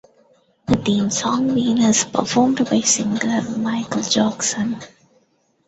The theme song, "Ben", is performed by singer Michael Jackson.